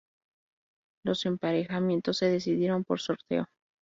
Los emparejamientos se decidieron por sorteo.